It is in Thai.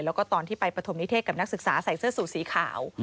แล้วก็ตอนที่ไปปฐมนิเทศกับนักศึกษาใส่เสื้อสูตรสีขาว